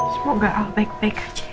semoga al baik baik aja ya